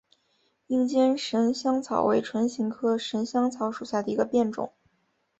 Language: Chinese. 硬尖神香草为唇形科神香草属下的一个变种。